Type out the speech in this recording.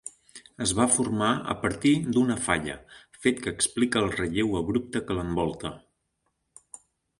Es va formar a partir d'una falla, fet que explica el relleu abrupte que l'envolta.